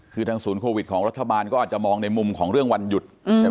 คือทางศูนย์โควิดของรัฐบาลก็อาจจะมองในมุมของเรื่องวันหยุดใช่ไหม